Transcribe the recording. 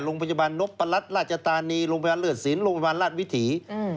โรงพยาบาลนพรัชราชตานีโรงพยาบาลเลิศสินโรงพยาบาลราชวิถี